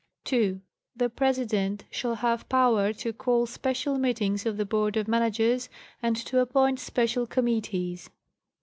2.—The President 'shall have power to call special meetings of the Board of Managers and to appoint special committees.